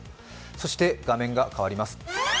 そして、画面が変わります。